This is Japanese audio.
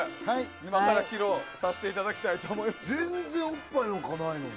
今から披露させていただきたいと思います。